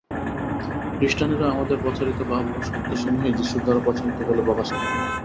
খ্রীষ্টানেরা আমাদের প্রচারিত ভাব ও সত্যসমূহই যীশুর দ্বারা প্রচারিত বলে প্রকাশ করেছে।